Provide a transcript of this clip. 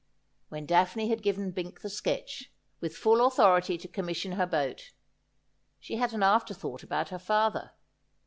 When Daphne had given Bink the sketch, with full autho rity to commission her boat, she had an after thought about her father.